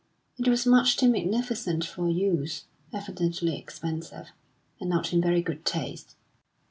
It was much too magnificent for use, evidently expensive, and not in very good taste.